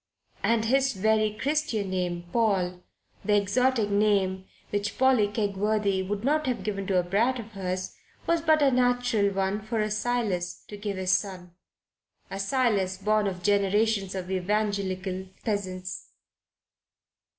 And his very Christian name Paul the exotic name which Polly Kegworthy would not have given to a brat of hers was but a natural one for a Silas to give his son, a Silas born of generations of evangelical peasants.